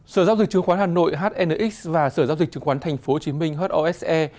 sở giao dịch chứng khoán hà nội hnx và sở giao dịch chứng khoán tp hcm hose